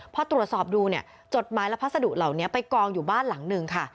พอตรวจสอบดูเนี่ยจดหมายและพัสดุเหล่านี้ไปกองอยู่บ้านหลังหนึ่งค่ะ